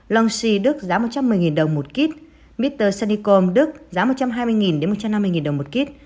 longxi đức giá một trăm một mươi đồng một kết mr sanicom đức giá một trăm hai mươi một trăm năm mươi đồng một kết